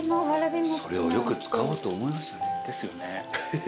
それをよく使おうと思いましたね。ですよね。